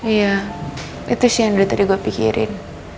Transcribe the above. iya itu sih yang dulu tadi gua pikirin